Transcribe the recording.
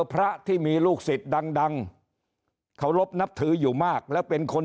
พระที่มีลูกศิษย์ดังเคารพนับถืออยู่มากแล้วเป็นคน